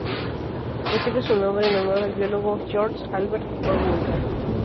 Recibe su nombre en honor al biólogo George Albert Boulenger.